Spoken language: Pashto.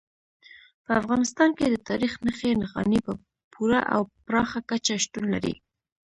په افغانستان کې د تاریخ نښې نښانې په پوره او پراخه کچه شتون لري.